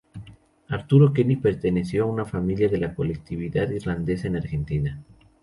Arturo Kenny perteneció a una familia de la colectividad irlandesa en Argentina.